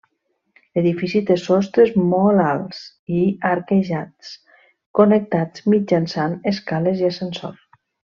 L'edifici té sostres molt alts i arquejats, connectats mitjançant escales i ascensor.